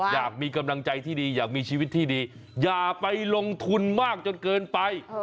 อยากมีกำลังใจที่ดีอยากมีชีวิตที่ดีอย่าไปลงทุนมากจนเกินไป